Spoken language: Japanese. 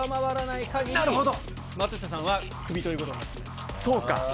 松下さんはクビということにそうか。